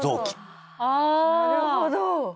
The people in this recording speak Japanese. なるほど。